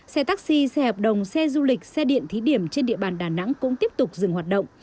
xe taxi xe hợp đồng xe du lịch xe điện thí điểm trên địa bàn đà nẵng cũng tiếp tục dừng hoạt động